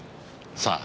さあ。